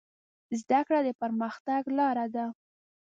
زده کړه د پرمختګ لاره ده.